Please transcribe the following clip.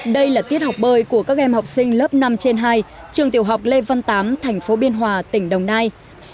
đây là tiết học bơi của các em học sinh lớp năm trên hai trường tiểu học lê văn tám thành phố biên hòa tỉnh đồng nai